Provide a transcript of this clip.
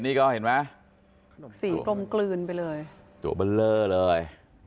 สีพร้อมกลลืนไปเลยตัวเบอร์เรอเลย